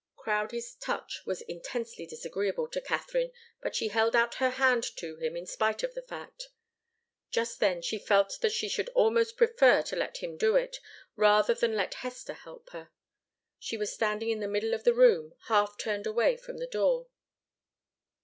Crowdie's touch was intensely disagreeable to Katharine, but she held out her hand to him, in spite of the fact. Just then, she felt that she should almost prefer to let him do it, rather than let Hester help her. She was standing in the middle of the room, half turned away from the door.